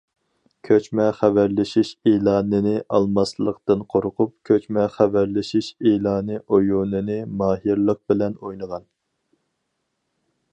كۆچمە خەۋەرلىشىش ئېلانىنى ئالالماسلىقتىن قورقۇپ، كۆچمە خەۋەرلىشىش ئېلانى ئويۇنىنى« ماھىرلىق» بىلەن ئوينىغان.